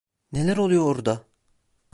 Neler oluyor orada?